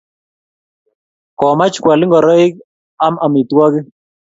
Komach koal ngoroik am amitwogik.